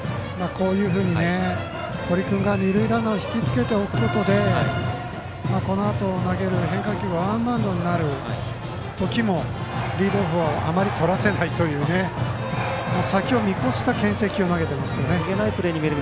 こういうふうにね堀君が二塁ランナーをひきつけておくことでこのあと投げる変化球がワンバウンドになる時もリードをあまりとらせないというね先を見越したけん制球を投げてますよね。